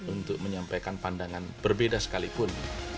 untuk menyampaikan pandangan berbeda sekalipun